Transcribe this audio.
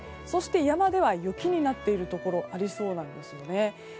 そして、山では雪になっているところがありそうです。